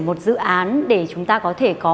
một dự án để chúng ta có thể có